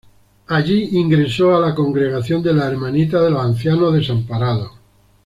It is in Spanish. Allí ingresó a la Congregación de las Hermanitas de los Ancianos Desamparados.